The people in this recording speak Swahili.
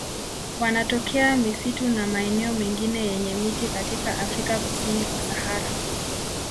Wanatokea misitu na maeneo mengine yenye miti katika Afrika kusini kwa Sahara.